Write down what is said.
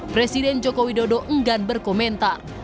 presiden jokowi dodo enggan berkomentar